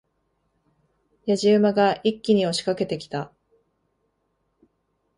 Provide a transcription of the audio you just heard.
野次馬が一気に押し掛けてきた。